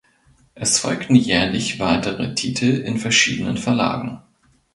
Es folgten jährlich weitere Titel in verschiedenen Verlagen.